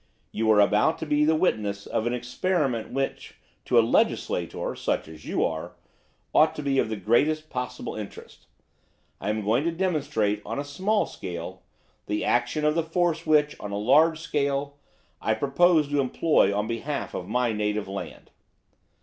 You are about to be the witness of an experiment which, to a legislator such as you are! ought to be of the greatest possible interest. I am going to demonstrate, on a small scale, the action of the force which, on a large scale, I propose to employ on behalf of my native land.